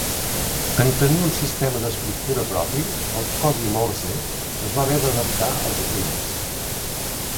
En tenir un sistema d'escriptura propi, el Codi Morse es va haver d'adaptar al japonès.